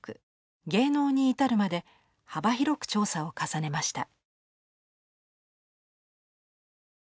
芸能に至るまで幅広く調査を重ねました。